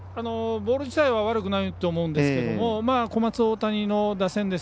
ボール自体は悪くないと思うんですが、小松大谷の打線。